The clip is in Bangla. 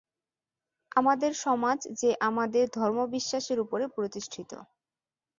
আমাদের সমাজ যে আমাদের ধর্মবিশ্বাসের উপরে প্রতিষ্ঠিত।